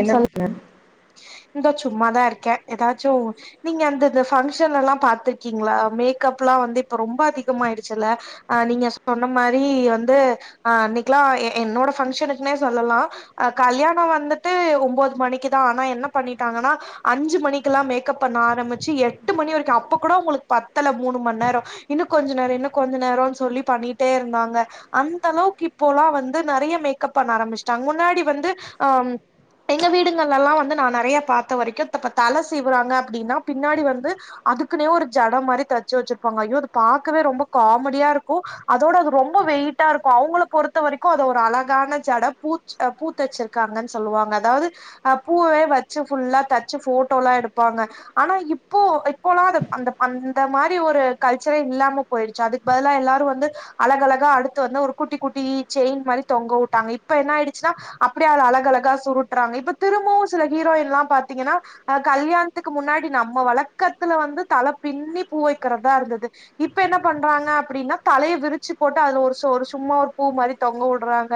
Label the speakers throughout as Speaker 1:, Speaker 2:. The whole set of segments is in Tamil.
Speaker 1: என்ன பண்ற
Speaker 2: இந்த சும்மாதா இருக்கே ஏதாச்சு நீங்க அந்தந்த ஃபங்க்ஷன்ல்லா பாத்துருக்கீங்களா மேக்கப்ல்லா வந்து இப்ப ரொம்ப அதிகமாயிடுச்சுல்ல அ நீங்க சொன்ன மாரி வந்து அ அன்னைக்கலா என்னோட பங்ஷனுக்குனே சொல்லலா அ கல்யாணோ வந்துட்டு ஒன்பது மணிக்குதா ஆனா என்ன பண்ணிட்டாங்கன்னா அஞ்சு மணிக்கெல்லா மேக்கப் பண்ண ஆரம்பிச்சு எட்டு மணி வரைக்கு அப்ப கூட அவுங்களுக்கு பத்தல மூணு மணி நேரோ இன்னும் கொஞ்ச நேரோ இன்னு கொஞ்ச நேரன்னு சொல்லி பண்ணிட்டே இருந்தாங்க அந்தளவுக்கு இப்பல்லா வந்து நறைய மேக்கப் பண்ண ஆரம்பிச்சுட்டாங்க முன்னாடி வந்து அ எங்க வீடுங்கள்லல்லா வந்து நா நறைய பாத்த வரைக்கு இப்ப தல சிவுறாங்க அப்டின்னா பின்னாடி வந்து அதுக்குனே ஒரு ஜட மாதிரி தைச்சு வச்சிருப்பாங்க ஐயோ அது பாக்கவே ரொம்ப காமெடியாருக்கு அதோட அது ரொம்ப வெயிட்டாருக்கு அவங்கள பொறுத்த வரைக்கு அது ஒரு அழகான சடை பூ அ பூ தச்சிருக்காங்கன்னு சொல்லுவாங்க அதாவது அ பூவே வச்சு ஃபுல்லா தச்சு போட்டோலா எடுப்பாங்க ஆனா இப்போ இப்போல்லா அது அந்த அந்த மாரி ஒரு கல்சரே இல்லாம போயிருச்சு அதுக்கு பதிலா எல்லாரு வந்து அழகழகா அடுத்து வந்து ஒரு குட்டி குட்டி செயின் மாரி தொங்க உட்டாங்க இப்ப என்னா ஆயிடுச்சுன்னா அப்றோ அத அழகழகா சுருட்டுறாங்க இப்ப திரும்வு சில ஹீரோயின்ல்லா பாத்தீங்கன்னா அ கல்யாணத்துக்கு முன்னாடி நம்ம வழக்கத்துல வந்து தல பின்னி பூ வைக்கிறதா இருந்தது இப்ப என்ன பண்றாங்க அப்பிடின்னா தலையை விரிச்சு போட்டு அது ஒரு ஒரு சும்மா ஒரு பூ மாதிரி தொங்க விடுறாங்க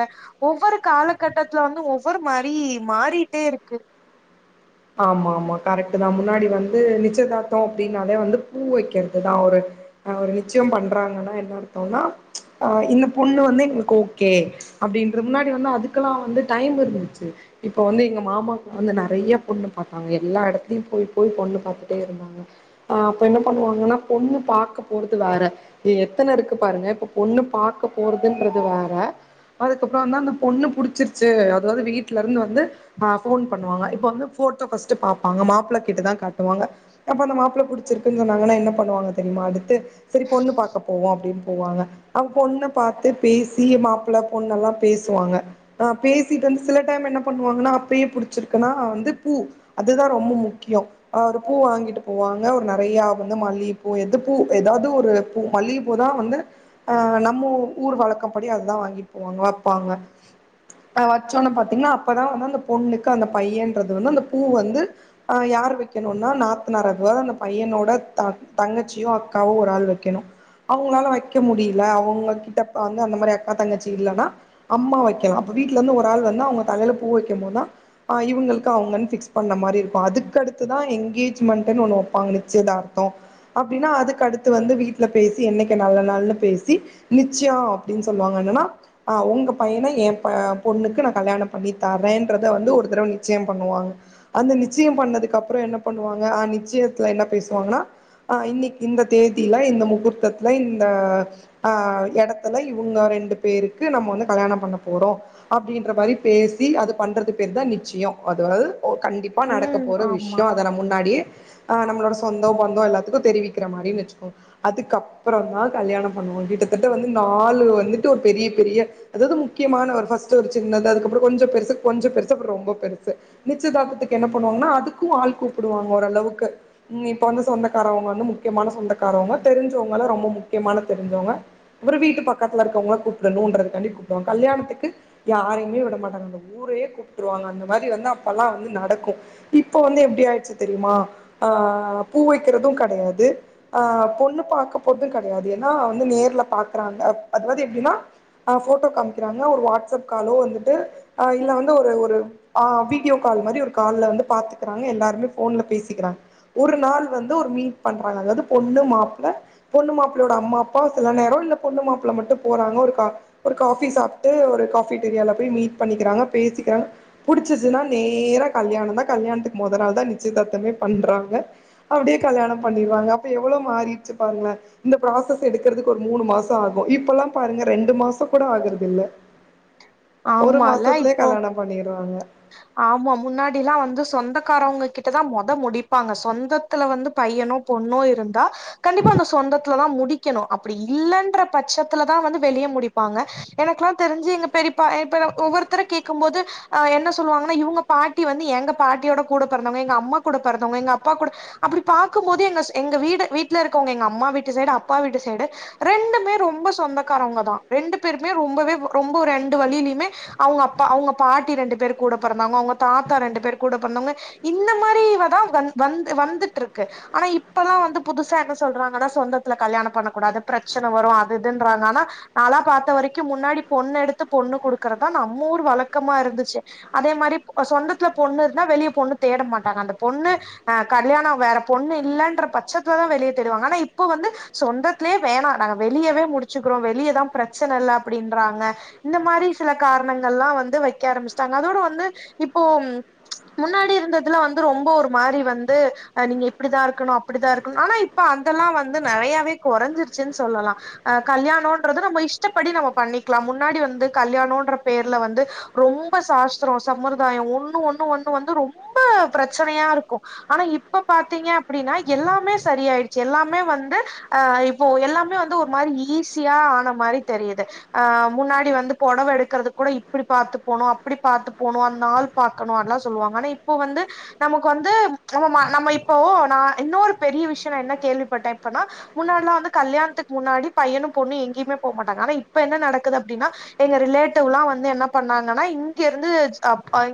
Speaker 2: ஒவ்வொரு காலகட்டத்துல வந்து ஒவ்வொரு மாரி மாறிட்டே இருக்கு
Speaker 1: ஆமாமா கரெக்ட் தா முன்னாடி வந்து நிச்சியதார்த்தோ அப்படினாலே வந்து பூ வைக்கறது தா ஒரு அ ஒரு நிச்சயோ பண்றாங்கன்னா என்ன அர்த்தோனா ஆ இந்த பொண்ணு வந்து எங்களுக்கு ஓகே அப்டின்ற முன்னாடி வந்து அதுக்கெல்லா வந்து டையமிருந்துச்சு இப்ப வந்து எங்க மாமாவுக்கு வந்து நறைய பொண்ணு பாத்தாங்க எல்லா எடத்துலையு போய் போய் பொண்ணு பாத்துட்டே இருந்தாங்க ஆ அப்ப என்ன பண்ணுவாங்கனா பொண்ணு பாக்க போறது வேற எ எத்தன இருக்கு பாருங் இப்ப பொண்ணு பாக்க போறதுன்றது வேற அதுக்கப்றோ வந்து அந்த பொண்ண புடிச்சிர்ச்சு அதாவ்து வீட்ல இருந்து வந்து ஆ ஃபோன் பண்ணுவாங்க இப்ப வந்து ஃபோட்டோ ஃபஸ்ட்டு பாப்பாங்க மாப்ள கிட்டதா காட்டுவாங்க அப்ப அந்த மாப்ள புடிச்சிருக்குன் சொன்னாங்கனா என்ன பண்ணுவாங்க தெரிமா அடுத்து செரி பொண்ணு பாக்க போவோ அப்டின் போவாங்க அவ பொண்ண பாத்து பேசி மாப்புள பொண்ணல்லா பேசுவாங்க ஆ பேசிட்டு வந்து சில டைம் என்ன பண்ணுவாங்கனா அப்பயே புடிச்சிருக்குனா வந்து பூ அதுதா ரொம்ம முக்கியோ ஆ ஒரு பூ வாங்கிட்டு போவாங்க ஒரு நறைய அப்பந்தா மல்லியப்பூ எந்த பூ எதாது ஒரு பூ மல்லிகபூதா வந்து ஆ நம்ம ஊர் வழக்கப்படி அதுதா வாங்கிட்டு போவாங்க வப்பாங்க அ வச்சோன்ன பாத்தீங்னா அப்பதா வந்து அந்த பொண்ணுக்கு அந்த பையன்றது வந்து அந்த பூ வந்து ஆ யார் வைக்கணுனா நாத்துனாரதுவா அந்த பையனோட தா தங்கச்சியோ அக்காவோ ஒரு ஆள் வைக்கணு அவங்குளால வைக்க முடில அவுங்ககிட்ட பா வந்து அந்த மாதிரி அக்கா தங்கச்சி இல்லனா அம்மா வைக்கலா அப்ப வீட்ல இருந்து ஒரு ஆள் வந்து அவ்ங்க தலைல பூ வைக்கு போதா ஆ இவுங்கள் க்கு அவ்ங்கன் ஃபிக்ஸ் பண்ண மாரி இருக்கு அதுக்கடுத்துதா என்கேஜ்மண்ட்டுன் ஒன்னு வப்பாங்க நிச்சயதார்த்தோ அப்டினா அதுக்கு அடுத்து வந்து வீட்ல பேசி என்னைக்கு நல்ல நாள்னு பேசி நிச்யோ அப்டின் சொல்வாங்க என்னனா ஆ உங்க பையன ஏ பா பொண்ணுக்கு நா கல்யாண பண்ணி தர்றேன்றத வந்து ஒரு தடவ நி ச்சய பண்ணுவாங்க அந்த நிச்சியம் பண்ணதுக்கப்றோ என்ன பண்ணுவாங்க ஆ நிச்சயத்ல என்ன பேசுவாங்கனா ஆ இன்னைக் இந்த தேதில இந்த முகூர்த்தத்ல இந்த ஆ எடத்துல இவுங்க ரெண்டு பேருக்கு நம்ம வந்து கல்யாண பண்ண போறோ அப்டின்ற மாரி பேசி அது பண்றது பேர்தா நிச்சியோ அதாது ஓ கண்டிப்பா நடக்க
Speaker 2: ம்
Speaker 1: போற
Speaker 2: ஆமா
Speaker 1: விஷ்யோ அத நா முன்னாடியே ஆ நம்ளோட சொந்தோ பந்தோ எல்லாத்துக்கு தெரிவிக்ரமாறின் வச்சுக்கோ அதுக்கப்புறோந்தா கல்யாண பண்ணுவோ கிட்டத்தட்ட வந்து நாலு வந்துட்டு ஒரு பெரிய பெரிய அதாது முக்கியமான ஒரு ஃபஸ்ட்டு ஒரு சின்னது அதுக்கப்புறோ கொஞ்சோ பெருசு கொஞ்சோ பெருசு அப்று ரொம்ப பெரு சு நிச்சதாதத்துக்கு என்ன பண்ணுவாங்கனா அதுக்கு ஆள் கூப்புடுவாங்க ஓரளவுக்கு னு இப்ப வந்து சொந்தக்காரவங்கவந்து முக்கியமான சொந்தக்காரவ்ங்க தெரிஞ்சவ்ங்கலா ரொம்ம முக்கியமான தெரிஞ்சவ்ங்க அப்புறோ வீட்டு பக்கத்துல இருக்கவ்ங்ள கூப்டணூன்றதுகாண்டி கூப்டுவா கல்யாணத்துக்கு யாரையுமே விட மாட்டாங்க அந்த ஊரையே கூப்ட்டுருவாங்க அந்த மாதிரி வந்து அப்பல்லா வந்து நடக்கு இப்போ வந்து எப்டி ஆய்ச்சு தெரிமா அ பூ வைக்குறதூ கடையாது ஆ பொண்ணு பாக்க போர்து கடையாது ஏனா வந்து நேர்ல பாக்றாங்க அதுவாது எப்டினா ஆ ஃபோட்டோ காமிக்கிறாங்னா ஒரு வாட்ஸ்அப் காலோ வந்துட்டு ஆ இல்ல வந்து ஒரு ஒரு ஆ வீடியோ கால் மாரி ஒரு கால்ல வந்து பாத்துக்றாங்க எல்லாருமே ஃபோன்ல பேசிக்றா ஒரு நாள் வந்து ஒரு மீட் பண்றாங்க அதாவ்து பொண்ணு மாப்ள பொண்ணு மாப்ளயோட அம்மா அப்பா சில நேரோ இல்ல பொண்ணு மாப்ள மட்டு போறாங்க ஒரு கா ஒரு காஃபி சாப்ட்டு ஒரு காஃபி டெரியால போய் மீட் பண்ணிக்கிறாங்க பேசிக்கிறாங்க புடிச்சிச்சுனா நேரா கல்யாணந்தா கல்யாணத்துக்கு மொத நாள் தான் நிச்சியதார்த்தமே பண்றாங்க அப்டியே கல்யாணம் பண்ணிர்வாங்க அப்ப எவுளோ மாறிர்ச்சு பாருங்ள இந்த ப்ராசஸ் எடுக்குறதுக்கு ஒரு மூணு மாசோ ஆகு இப்பலா பாருங்க ரெண்டு மாசோ கூட ஆகுறதில்ல ஒரு
Speaker 2: ஆமால்ல
Speaker 1: மாசத்லே
Speaker 2: இப்போ
Speaker 1: கல்யாண பண்ணிறாங்க
Speaker 2: ஆமா முன்னாடிலா வந்து சொந்தக்காரவ்ங்க கிட்டதா மொத முடிப்பாங்க சொந்த த்துல வந்து பையனோ பொண்ணோ இருந்தா கண்டிப்பா அந்த சொந்தத்துலதா முடிக்கணு அப்டி இல்லன்ற பட்சத்துலதா வந்து வெளிய முடிப்பாங்க எனக்குலா தெரிஞ்சு எங்க பெரிப்பா இப்ப ஒவ்வொருத்தர கேட்கு போது அஹ் என்ன சொ சொல்லுவாங்கன்னா இவங்க பாட்டி வந்து எங்க பாட்டியோட கூட பொறந்தவங்க எங்க அம்மா கூட பொறந்தவங்க எங்க அப்பா கூட அப்டி பாக்கும்போது எங்க எங்க வீடு வீட்டுல இருக்கவங்க எங்க அம்மா வீட்டு சைடு அப்பா வீட்டு சைடு ரெண்டுமே ரொம்ப சொந்தக்காரங்க தா ரெண்டு பேருமே ரொம்பவே ரொம்ப ரெண்டு வழியிலயுமே அவுங்க அப்பா அவுங்க பாட்டி ரெண்டு பேர் கூட பொறந்தவுங்க அவுங்க தாத்தா ரெண்டு பேர் கூட பொறந்தவுங்க இந்த மாரில தா வந் வந்து வந்துட்ருக்கு ஆனா இப்பல்லா வந்து புதுசா என்ன சொல்றாங்கன்னா சொந்தத்துல கல்யாணோ பண்ணக்கூடாது பிரச்சன வரு அது இதுன்றாங்க ஆனா நாலா பாத்த வரைக்கு முன்னாடி பொண்ணு எடுத்து பொண்ணு குடுக்கறதா நம்ம ஊரு வழக்கமா இருந்துச்சு அதே மாரி சொந்தத்துல பொண்ணு இருந்தா வெளிய பொண்ணு தேட மாட்டாங்க அந்த பொண்ணு அஹ் கல்யாணோ வேற பொண்ணு இல்லன்ற பட்சத்துலதாவெளிய தேடுவாங்க ஆனா இப்ப வந்து சொந்தத்துலே வேணா நாங்க வெளியவே முடிச்சுக்குறோ வெளியதா பிரச்சன இல்ல அப்டின்றாங்க இந்த மாரி சில காரணங்கல்லா வந்து வைக்க ஆரம்பிச்சிட்டாங்க அதோட வந்து இப்போ முன்னாடி இருந்ததுல வந்து ரொம்ப ஒரு மாரி வந்து நீங்க இப்டிதா இருக்கணு அப்டிதா இருக்கணு ஆனா இப்ப அதெல்லா வந்து நெறையாவே கொறைஞ்சிருச்சுன்னு சொல்லலா அஹ் கல்யாணோன்றது நம்ம இஷ்டப்படி நம்ம பண்ணிக்லா முன்னாடி வந்து கல்யாணோன்ற பேர்ல வந்து ரொம்ப சாஸ்ஷ்ரோ சம்மர்தாயோ ஒண்ணு ஒண்ணு ஒண்ணு வந்து ரொம்ப பிரச்சனையா இருக்கும் ஆனா இப்ப பாத்தீங்க அப்டின்னா எல்லாமே சரி ஆயிடுச்சு எல்லாமே வந்து ஆ இப்போ எல்லாமே வந்து ஒரு மாரி ஈஸியா ஆன மாரி தெரியுது ஆ முன்னாடி வந்து பொடவ எடுக்கறது கூட இப்படி பாத்து போனு அப்டி பாத்து போனு அந் நாள் பாக்கணு அதெல்லா சொல்லுவாங்க ஆனா இப்போ வந்து நமக்கு வந்து நம்ம இப்போ நா இன்னொரு பெரிய விஷ்யோ நா என்ன கேள்விப்பட்ட இப்பனா முன்னாட்ல்லா வந்து கல்யாணத்துக்கு முன்னாடி பையனு பொண்ணு எங்கயுமே போ மாட்டாங்க ஆனா இப்ப என்ன நடக்குது அப்டின்னா எங்க ரிலேட்டிவ்லா வந்து என்ன பண்ணாங்கன்னா இங் இங்க இருந்தது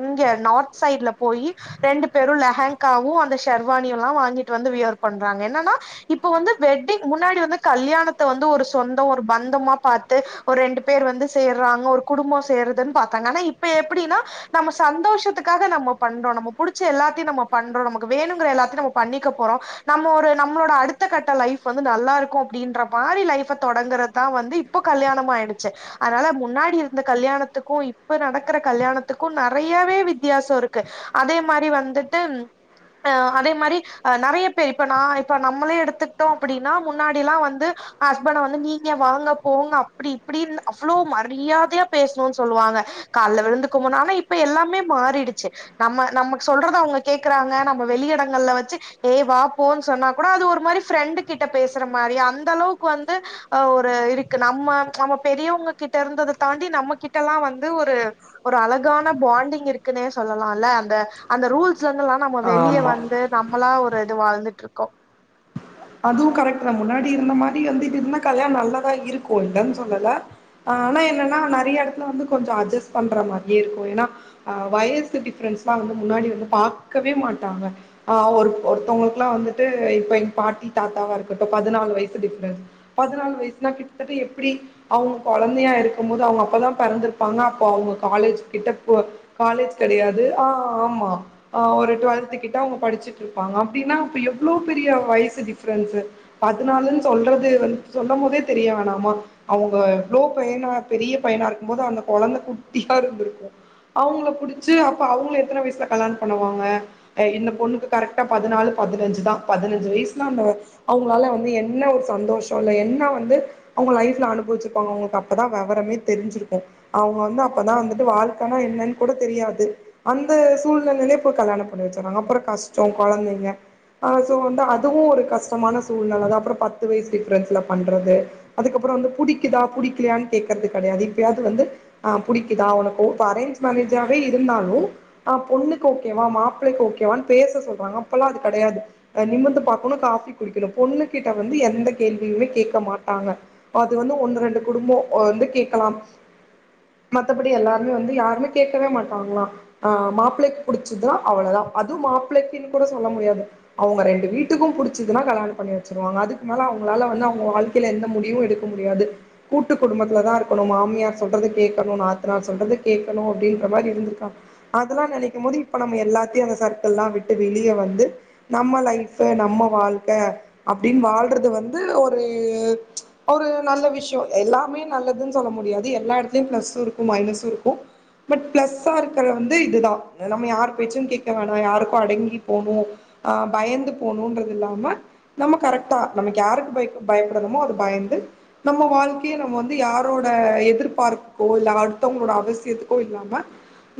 Speaker 2: இங்க நார்த் சைட்ல போயி ரெண்டு பேரு லெஹக்காவு அந்த ஷர்வானியுல்லா வாங்கிட்டு வந்து வியர் பண்றாங்க என்னன்னா இப்ப வந்து வெட்டிங் முன்னாடி வந்து கல்யாணத்த வந்து ஒரு சொந்தோ ஒரு பந்தமா பாத்து ஒரு ரெண்டு பேரு வந்து சேர்றாங்க ஒரு குடும்பம் சேர்றதுன்னு பாத்தாங்க ஆனா இப்ப எப்டின்னா நம்ம சந்தோஷத்துக்காக நம்ம பண்றோ நம்ம புடிச்ச எல்லாத்தியு நம்ம பண்றோ நமக்கு வேணுங்குற எல்லாத்தையு நம்ம பண்ணிக்க போறோ நம்ம ஒரு நம்மளோட அடுத்த கட்ட லைஃப் வந்து நல்லா இருக்கும் அப்டின்ற மாரி லைஃப் தொடங்குறதுதா வந்து இப் இப்ப கல்யாணம் ஆயிடுச்சு அதனால முன்னாடி இருந்த கல்யாணத்துக்கு இப்ப நடக் க்கற கல்யாணத்துக்கு நறையாவே வித்தியாசோ இருக்கு அதே மாரி வந்துட்டு அஹ் அதே மாரி நறைய பேரு இப்ப நா இப்ப நம்மளே எடுத்துக்கிட்டோ அப்டின்னா முன்னாடில்லா வந்து ஹஸ்பண்ட வந்து நீங்க வாங்க போங்க அப்டி இப்டின்னு அவ்ளோ மரியாதையா பேசணு சொல்வாங்க கால்ல விழுந்துக் கும்பனு ஆனா இப்ப எல்லாமே மாறிடுச்சு நம்ம நமக்கு சொல்றத அவுங்க கேக்கறாங்க நம்ம வெளி இடங்கள்ல வச்சு ஏய் வா போன்னு சொன்னா கூட அது ஒரு மாரி ஃப்ரெண்டு கிட்ட பேசற மாரி அந்த அளவுக்கு வந்து அ ஒரு இருக்கு நம்ம நம்ம பெரியவங்ககிட்ட இருந்தத தாண்டி நம்ம கிட்டல்லா வந்து ஒரு ஒரு அழகான பாண்டிங் இருக்குன்னே சொல்ல லால அந்த அந்த ரூல்ஸ் வந்துல்லா நம்ம வெளிய
Speaker 1: ஆமா
Speaker 2: வந்து நம்மளா ஒரு இது வாழ்ந்துட்டுருக்கோ
Speaker 1: அதுவு கரெக்ட் தா முன்னாடி இருந்த மாரி வந்து இருந்தா கல்யாணோ நல்லதா இருக்கு இல்லன்னு சொல்லல ஆன என்னன்னா நறைய எடத்துல வந்து கொஞ்சோ அட்ஜஸ்ட் பண்ற மாரியே இருக்கும் ஏன்னா அ வயசு டிஃப்ரென்ஸ்லா வந்து முன்னாடி வந்து பாக்கவே மாட்டாங்க ஆ ஒரு ஒருத்தவங்களுக்குல்லா வந்துட்டு இப்ப எங்க பாட்டி தாத்தாவா இருக்கட்டு பதினாலு வயசு டிஃப்ரெஸ் பதினாலு வயசுனா கிட்டத்தட்ட எப்டி அவுங்க கொழந்தையா இருக்கும்போது அவங்க அப்பதான் பிறந்திருப்பாங்க அப்போ அவுங்க காலேஜ் கிட்ட போ காலேஜ் கடையாது ஆ ஆமா ஆ ஒரு டுவெல்த்து கிட்ட அவங்க படிச்சுட்டு இருப்பாங்க அப்டின்னா அப்ப எவ்ளோ பெரிய வயசு டிஃப்ரன்ஸு பதினாலுன்னு சொல்றது வந்து சொல்லும் போதே தெரிய வேணாமா அவங்க எவ்ளோ பையனா பெரிய பையனா இருக்கும்போது அந்த கொழந்த குட்டியா இருந்துருக்கும் அவுங்கள புடிச்சு அப்ப அவங்கள எத்தன வயசுல கல்யாணம் பண்ணுவாங்க எ இந்த பொண்ணுக்கு கரெக்டா பதினாலு பதினஞ்சு தான் பதினஞ்சு வயசு அந்த அவங்களால வந்து என்ன ஒரு சந்தோஷம் இல்ல என்ன வந்து அவுங்க லைஃப்ல அனுபவச்சிருப்பாங்க அவங்களுக்கு அப்பதா வேவரமே தெரிஞ்சிருக்கும் அவுங்க வந்து அப்பதான் வந்துட்டு வாழ்க்கைனா என்னன்னு கூட தெரியாது அந்த சூழ்நிலையிலே இ போய் கல்யாணம் பண்ணி வச்சாறாங்க அப்பறோ கஷ்டம் கொழந்தைங்க ஆ சோ வந்து அதுவும் ஒரு கஷ்டமான சூழ்நிலை அப்புறம் பத்து வயசு டிஃப்ரன்ஸில பண்ணுறது அதுக்கப்புறம் வந்து புடிக்குதா புடிக்கலையான்னு கேக்குறது கிடையாது இப்பயாவது வந்து ஆ புடிக்குதா உனக்கு உப்ப அரேஞ்ச் மேரேஜாவே இருந்தாலும் ஆ பொண்ணுக்கு ஓகேவா மாப்பிளைக்கு ஓகேவான்னு பேச சொல்றாங்க அப்பெல்லாம் அது கடையாது நிமந்து பாகணும் காபி குடிக்கணும் பொண்ணு கிட்ட வந்து எந்த கேள்வியுமே கேட்க மாட்டாங்க அது வந்து ஒண்ணு ரெண்டு குடும்பம் வந்து கேகலாம் மத்தபடி எல்லாருமே வந்து யாருமே கேகவே மாட்டாங்களா ஆ மாப்பிளைக்கு புடிச்சதுனா அவளோவுதான் அதுவும் மாப்பிளைைக்குன்னனு கூட சொல்ல முடியாது அவுங்க ரெண்டு வீட் டுக்கு பிடிச்சதுன்னா கல்யாணம் பண்ணி வச்சிருவாங்க அதுக்கு மேல அவங்களால வந்து அவங்க வாழ்க்கையில எந்த முடிவும் எடுக்க முடியாது கூட்டு குடும்பத்துலதான் இருக்கணும் மாமியார் சொல்றது கேட்கணும் நாத்தனர் சொல்றது கேட்கணும் அப்டின்ற மாரி இருந்திருக்க அதெல்லாம் நனைக்கும் போது இப்ப நம்ம எல்லாத்தையும் அந்த சர்க்கிள்லாம் விட்டு வெளிய வந்து நம்ம லைஃப் இப்ப நம்ம வாழ்க்க அப்டின்னு வாழ்றது வந்து ஒரு ஒரு நல்ல விஷயம் எல்லாமே நல்லதுன்னு சொல்ல முடியாது எல்லா இடத்துலயும் பிளஸும் இருக்கும் மைனஸும் இருக்கும் பட் பிளஸ்ஸா இருக்கிற வந்து இதுதான் நம்ம யார்ரு போச்சும் கேட்க வேணாம் யாருக்கும் அடங்கி போணும் ஆ பயந்து போகணுன்றது இல்லாம நம்ம கரெக்டா நமக்கு யாருக்கு பய பயப்படுறமோ அது பயந்து நம்ம வாழ்க்கைய நம்ம வந்து யாரோட எதிர்பார்புக்கோ இல்ல அடுத்தவங்களோட அவசியத்துக்கோ இல்லாம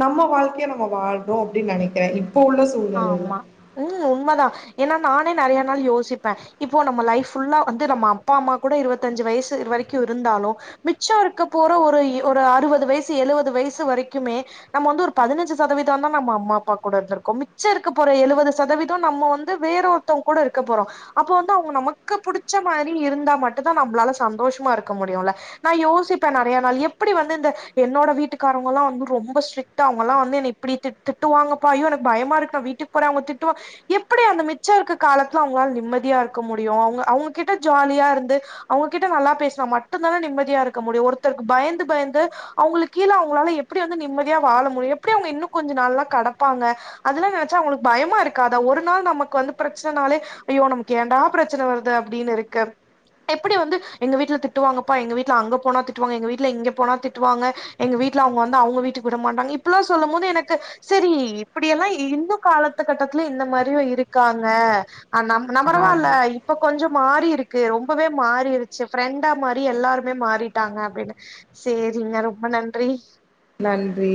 Speaker 1: நம்ம வாழ்க்கைய நம்ம வாழ்நோம் அப்டின்னு நினைக்கிறே இப்ப உள்ள சூழ்நிலையில
Speaker 2: ஆமா ம் உண்மதான் ஏன்னா நானே நறைய நாள் யோசிப்பேன் இப்போ நம்ம லைஃப் ஃபுல்லா வந்து நம்ம அப்பா அம்மா கூட இருபத்தஞ்சு வயசு வரைக்கும் இருந்தாலும் மிச்சம் இருக்க போற ஒரு ஒரு அறுபது வயசு எழுவது வயசு வரைக்குமே நம்ம வந்து ஒரு பதினஞ்சு சதவீதம் தான் நம்ம அம்மா அப்பா கூட இருந்திருக்கோ மிச்ச இருக்கப் போறோ எழுவது சதவீதம் நம்ம வந்து வேறொத்தவங் கூட இருக்க போறோம் அப்போ வந்து அவுங்க நமக்கு புடிச்ச மாரி இருந்தா மட்டும் தான் நம்மளால சந்தோஷமா இருக்க முடியும்ல நான் யோசிப்பே நறைய நாள் எப்டி வந்து இந்த என்னோட வீட்டுக்காரவங்கல்லாம் வந்து ரொம்ப ஸ்ட்ரிக் ட்டு அவங்கல்லாம் வந்து என்னை இப்டி திட் திட்டுவாங்கபா ஐயோ எனக்கு பயமா இருக்குபா வீட்டுக்கு போற அவங்க திட்டுவா எப்டி அந்த மிச்சம் இருக்க காலத்துல அவங்களால நிம்மதியா இருக்க முடியும் அவுங்க அவுங்க கிட்ட ஜாலியா இருந்து அவங்ககிட்ட நல்லா பேசினா மட்டும்தானே நிம்மதியா இருக்க முடியும் ஒருத்தருக்கு பயந்து பயந்து அவங்களுக்கு கீழ அவங்களால எப்டி வந்து நிம்மதியா வாழ முடியும் எப்டி அவங்க இன்னும் கொஞ்ச நாள் எல்லாம் கடப்பாங்க அதல்லா நெனச்சா அவங்களுக்கு பயமா இருக்காதா ஒரு நாள் நமக்கு வந்து பிரச்சனைனாலே ஐயோ நமக்கு ஏன்டா பிரச்சன வருது அப்டின்னு இருக்கு எப்டி வந்து எங்க வீட்ல திட்டுவாங்கப்பா எங்க வீட்ல அங்க போனா திட்டுவாங்க எங்க வீட்ல இங்க போனா திட்டுவாங்க எங்க வீட்ல அவுங்க வந்து அவுங்க வீட்டு விட மாட்டாங்க இப்பல்லாம் சொல்லும் போது எனக்கு செரி இப்டியெல்லாம் இன்னும் காலத்து கட்டத்துல இந்த மாதிரியும் இருக்காங்க அ நம் நம்பறவா இல்ல
Speaker 1: ஆமா
Speaker 2: இப்ப கொஞ்ச மாறிருக்கு ரொம்பவே மாறிருச்சு ஃப்ரெண்டா மாறி எல்லாருமே மாறிட்டாங்க அப்டின்னு சேரிங்க ரொம்ப நன்றி
Speaker 1: நன்றி